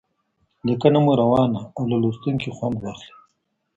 لیکنه مو روانه او له لوستونکي خوند واخلي.